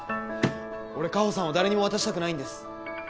俺果帆さんを誰にも渡したくないんです！